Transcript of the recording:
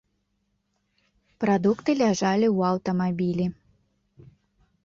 Прадукты ляжалі ў аўтамабілі.